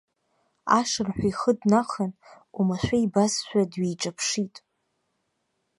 Ашырҳәа ихы днахан, оумашәа ибазшәа дҩеиҿаԥшит.